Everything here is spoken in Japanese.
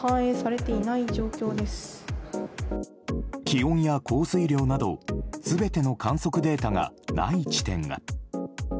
気温や降水量など全ての観測データがない地点が。